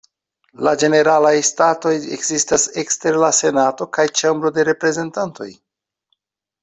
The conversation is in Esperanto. La Ĝeneralaj Statoj ekzistas ekster la Senato kaj Ĉambro de Reprezentantoj.